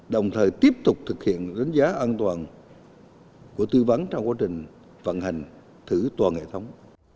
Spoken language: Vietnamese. đồng thời tiếp tục thực hiện đánh giá an toàn của tư vấn trong quá trình vận hành thử toàn hệ thống